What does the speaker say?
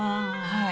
はい。